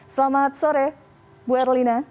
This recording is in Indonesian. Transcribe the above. selamat sore bu erlina